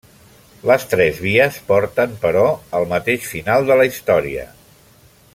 Les tres vies porten però al mateix final de la història.